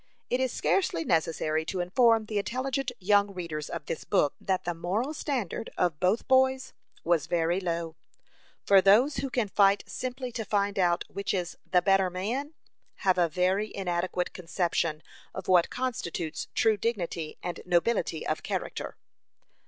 It is scarcely necessary to inform the intelligent young readers of this book, that the moral standard of both boys was very low; for those who can fight simply to find out which is "the better man," have a very inadequate conception of what constitutes true dignity and nobility of character.